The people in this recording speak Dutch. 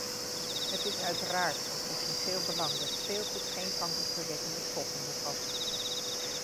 Het is uiteraard van essentieel belang dat speelgoed geen kankerverwekkende stoffen bevat.